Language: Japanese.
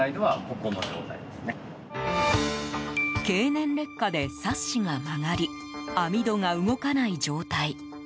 経年劣化でサッシが曲がり網戸が動かない状態。